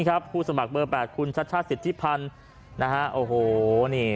ผู้สมัครเบอร์๘คุณชัชชาติสิทธิพันธ์นะฮะโอ้โหนี่